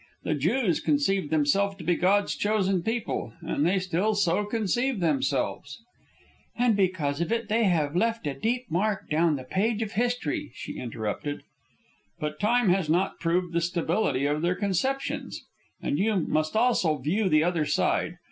The Jews conceived themselves to be God's chosen people, and they still so conceive themselves " "And because of it they have left a deep mark down the page of history," she interrupted. "But time has not proved the stability of their conceptions. And you must also view the other side.